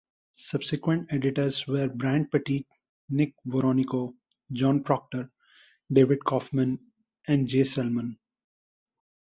Subsequent editors were Bryant Pettit, Nick Veronico, Jon Proctor, David Kaufman and Jay Selman.